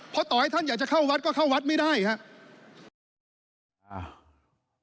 เพราะต่อให้ท่านอยากจะเข้าวัดก็เข้าวัดไม่ได้ครับ